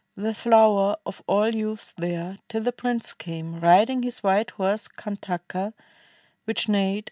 The flower of all youths there, till the prince came Riding his white horse Kantaka. which neighed.